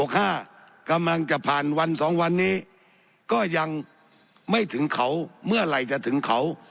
กำลังจะผ่านวันสองวันนี้ก็ยังไม่ถึงเขาเมื่อไหร่จะถึงเขา